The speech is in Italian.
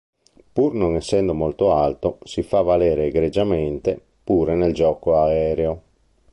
Pur non essendo molto alto, si fa valere egregiamente pure nel gioco aereo.